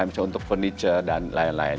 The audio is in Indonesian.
misalnya untuk furniture dan lain lain